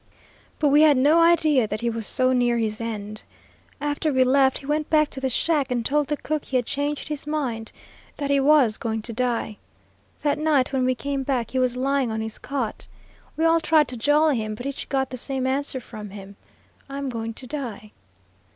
But we had no idea that he was so near his end. After we left, he went back to the shack and told the cook he had changed his mind, that he was going to die. That night, when we came back, he was lying on his cot. We all tried to jolly him, but each got the same answer from him, 'I'm going to die.'